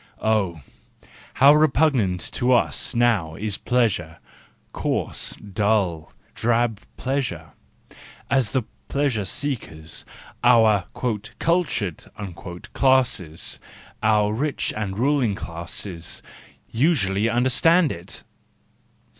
Oh, how re¬ pugnant to us now is pleasure, coarse, dull, drab pleasure, as the pleasure seekers, our "cultured" classes, our rich and ruling classes, usually under¬ stand it!